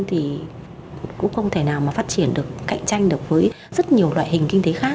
thì cũng không thể nào mà phát triển được cạnh tranh được với rất nhiều loại hình kinh tế khác